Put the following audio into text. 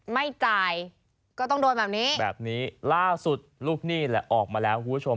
ไม่จ่ายก็ต้องโดนแบบนี้แบบนี้ล่าสุดลูกหนี้แหละออกมาแล้วคุณผู้ชม